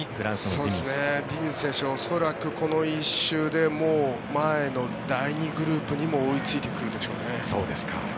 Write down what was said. ディニズ選手は恐らくこの１周で前の第２グループにも追いついてくるでしょうね。